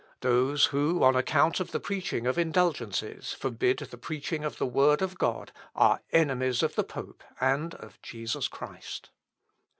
"Those who, on account of the preaching of indulgences, forbid the preaching of the word of God, are enemies of the pope and of Jesus Christ.